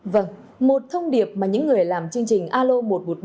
vâng một thông điệp mà những người làm chương trình alo một trăm một mươi ba